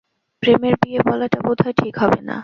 প্রেমের বিয়ে বলাটা বোধহয় ঠিক হবে না।